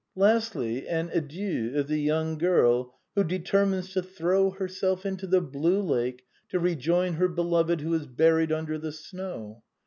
" Lastly, the adieu of the young girl, who de termines to throw herself into the blue lake, to rejoin her beloved who is buried under the snow.